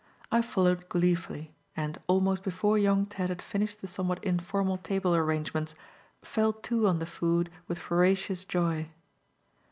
I followed gleefully, and, almost before young Ted had finished the somewhat informal table arrangements, fell to on the food with voracious joy.